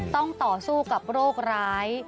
ต้องต่อสู้กับโรคร้าย